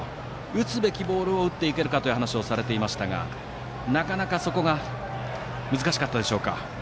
打つべきボールを打っていけるかという話をされていましたがなかなか、そこが難しかったでしょうか。